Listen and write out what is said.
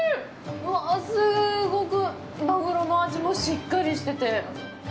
うわあ、すごくマグロの味もしっかりしてて。